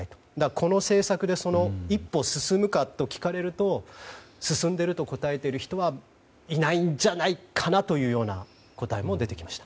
この政策でその一歩が進むかと聞かれると進んでいると答えている人はいないんじゃないかなという答えも出てきました。